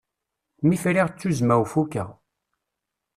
Mi friɣ ttuzma-w fukeɣ.